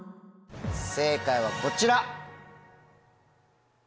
正解はこちら。